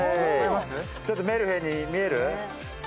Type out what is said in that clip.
ちょっとメルヘンに見える？